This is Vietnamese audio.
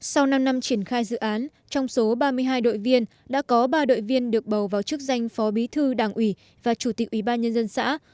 sau năm năm triển khai dự án trong số ba mươi hai đội viên đã có ba đội viên được bầu vào chức danh phó bí thư đảng ủy và chủ tịch ủy ban nhân dân xã